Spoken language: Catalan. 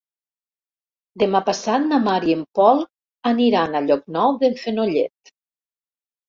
Demà passat na Mar i en Pol aniran a Llocnou d'en Fenollet.